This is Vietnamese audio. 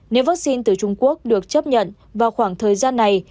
nếu vaccine từ trung quốc được chấp nhận vào khoảng thời gian này